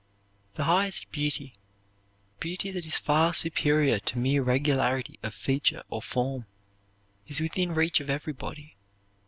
The highest beauty beauty that is far superior to mere regularity of feature or form is within reach of everybody.